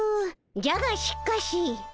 「じゃがしかし」